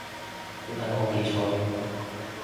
定係我記錯